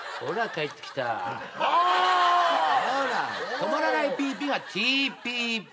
止まらないピーピーがＴＰＰ。